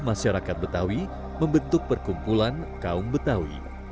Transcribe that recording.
masyarakat betawi membentuk perkumpulan kaum betawi